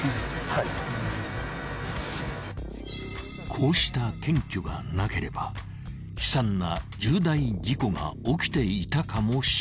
［こうした検挙がなければ悲惨な重大事故が起きていたかもしれない］